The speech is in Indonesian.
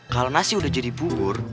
kalau nasi udah jadi bubur